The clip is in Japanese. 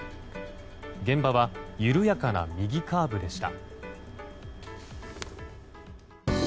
現場は緩やかな右カーブでした。